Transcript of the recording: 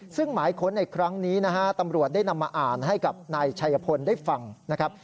ซึ่งหมายค้นในครั้งนี้นะฮะตำรวจได้นำมาอ่านให้กับนายชัยพลได้ฟังนะครับ